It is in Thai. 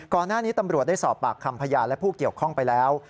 ก่อนหน้านี้ตำรวจได้สอบปากคำพยานและผู้เกี่ยวข้องไปแล้ว